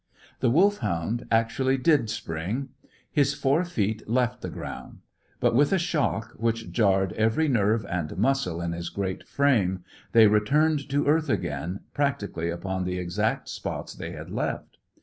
The Wolfhound actually did spring. His four feet left the ground. But, with a shock which jarred every nerve and muscle in his great frame, they returned to earth again, practically upon the exact spots they had left.